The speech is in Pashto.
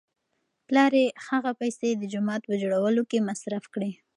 پلار یې هغه پیسې د جومات په جوړولو کې مصرف کړې.